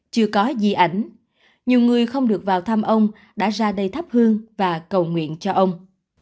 chưa có gì ảnh nhiều người không được vào thăm ông đã ra đây thắp hương và cầu nguyện cho ông